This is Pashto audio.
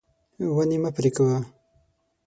ونې مه پرې کوه.